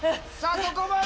そこまで！